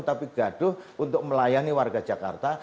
tapi gaduh untuk melayani warga jakarta